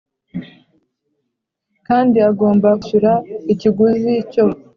kandi agomba kwishyura ikiguzi cyo